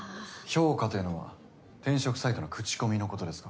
評価というのは転職サイトの口コミのことですか？